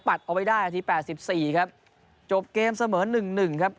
เอาไว้ได้นาทีแปดสิบสี่ครับจบเกมเสมอหนึ่งหนึ่งครับ